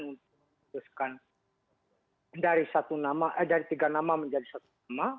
pertimbangan untuk memutuskan dari tiga nama menjadi satu nama